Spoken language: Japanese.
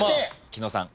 紀野さん